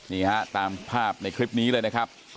นี่ฮะตามภาพในคลิปนี้เลยนะครับ